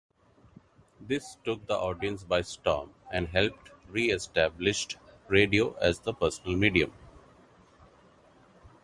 This took the audience by storm, and helped re-established radio as the personal medium.